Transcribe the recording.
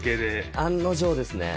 案の定ですね。